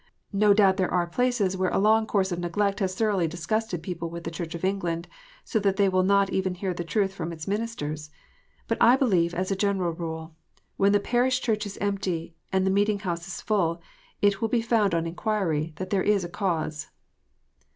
No doubt there are places where a long course of neglect has thoroughly disgusted people with the Church of England, so that they will not even hear truth from its ministers. But I believe, as a general rule, when the parish church is empty and the meeting house full, it will be found on inquiry that there is a cause.